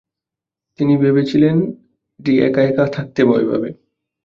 তিনি ভেবেছিলেন, মেয়েটি এক-একা থাকতে ভয় পাবে।